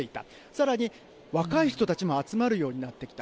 さらに、若い人たちも集まるようになってきた。